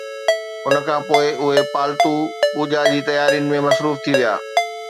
ان کان پوء اهي پالتو پوجا جي تيارين ۾ مصروف ٿي ويا